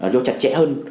do chặt chẽ hơn